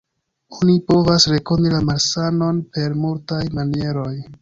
Oni povas rekoni la malsanon per multaj manieroj.